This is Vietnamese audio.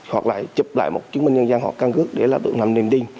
hoặc lại chụp lại một chứng minh nhân gian hoặc căn cứ để đối tượng làm niềm tin